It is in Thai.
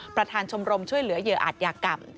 ประธานชมรมช่วยเหลือเหยื่ออาจยากรรม